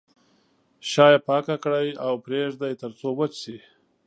شا یې پاکه کړئ او پرېږدئ تر څو وچ شي.